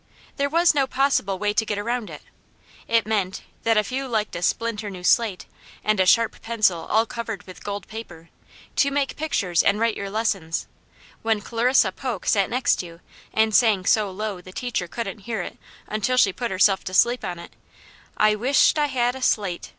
There was no possible way to get around it. It meant, that if you liked a splinter new slate, and a sharp pencil all covered with gold paper, to make pictures and write your lessons, when Clarissa Polk sat next you and sang so low the teacher couldn't hear until she put herself to sleep on it, "I WISHT I had a slate!